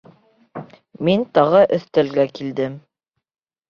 Мин тағы өҫтәлгә килдем.